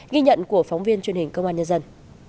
ghi nhận của phóng viên truyền hình công an nhân dân